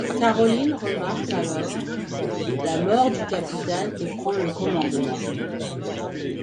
Carolyn remarque alors la mort du capitaine et prend le commandement.